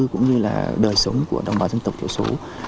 cũng như là đời sống của đồng bào dân tộc thiểu số